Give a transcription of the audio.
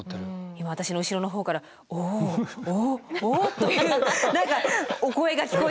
今私の後ろのほうから「おおおっおっ」という何かお声が聞こえてまいりました。